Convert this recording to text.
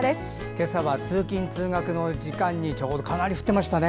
今朝は通勤・通学の時間にちょうどかなり降ってましたね。